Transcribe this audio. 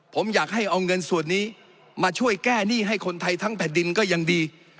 ผมอยากให้เอาเงินส่วนนี้มาช่วยแก้หนี้ให้คนไทยทั้งแผ่นดินก็ยังดี